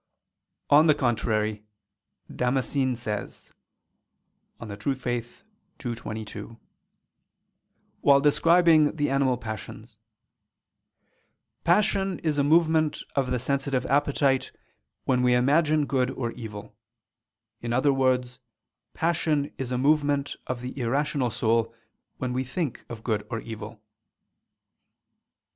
On the contrary, Damascene says (De Fide Orth. ii, 22), while describing the animal passions: "Passion is a movement of the sensitive appetite when we imagine good or evil: in other words, passion is a movement of the irrational soul, when we think of good or evil."